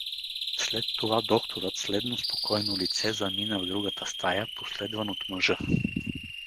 След това докторът с ледно спокойно лице замина в другата стая, последван от мъжа.